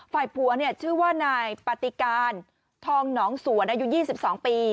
ฝ่ายผัวชื่อว่านายปฏิการทองหนองสวนอายุ๒๒ปี